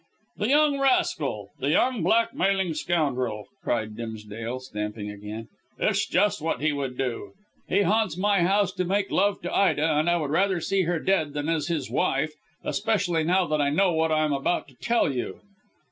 "The young rascal, the young blackmailing scoundrel," cried Dimsdale, stamping again. "It's just what he would do. He haunts my house to make love to Ida, and I would rather see her dead than as his wife, especially now that I know what I am about to tell you."